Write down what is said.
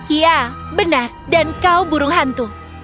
iya benar dan kau burung hantu